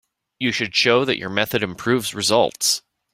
You should show that your method improves results.